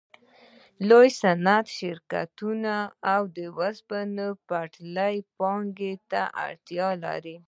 لوی صنعتي شرکتونه او د اوسپنې پټلۍ پانګې ته اړتیا لري